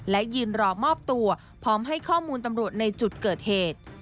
และยืนรอมอบตัวพร้อมให้ข้อมูลตำรวจในจุดเกิดเหตุ